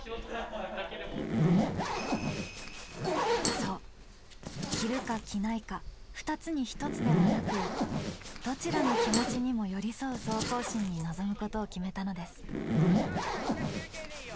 そう着るか着ないか二つに一つではなくどちらの気持ちにも寄り添う総行進に臨むことを決めたのです。